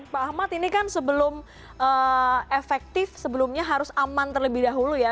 pak ahmad ini kan sebelum efektif sebelumnya harus aman terlebih dahulu ya